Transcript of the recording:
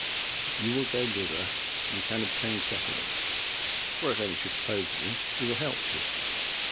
If you will go thither, you can obtain settlements; or, if any should oppose you, we will help you."